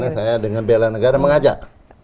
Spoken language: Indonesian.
saya dengan bela negara mengajak